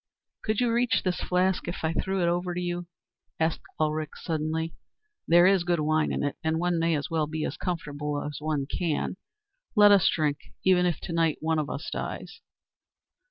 "Could you reach this flask if I threw it over to you?" asked Ulrich suddenly; "there is good wine in it, and one may as well be as comfortable as one can. Let us drink, even if to night one of us dies."